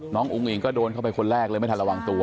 อุ้งอิงก็โดนเข้าไปคนแรกเลยไม่ทันระวังตัว